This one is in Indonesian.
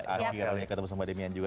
akhirnya ketemu sama demian juga